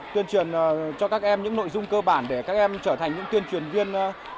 tuyên truyền cho các em những nội dung cơ bản để các em trở thành những tuyên truyền viên